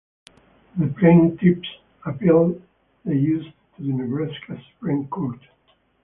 The plaintiffs appealed the issue to the Nebraska Supreme Court.